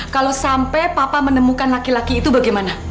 kalau sampai papa menemukan laki laki itu bagaimana